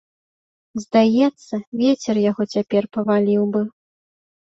Здаецца, вецер яго цяпер паваліў бы.